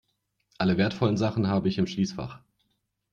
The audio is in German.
Alle wertvollen Sachen habe ich im Schließfach.